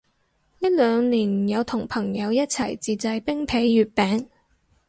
呢兩年有同朋友一齊自製冰皮月餅